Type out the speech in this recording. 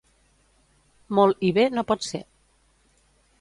Molt i bé no pot ser.